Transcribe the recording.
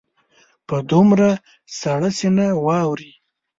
په دومره سړه سینه واوري.